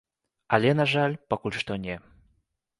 Але, на жаль, пакуль што не.